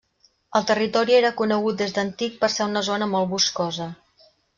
El territori era conegut des d'antic per ser una zona molt boscosa.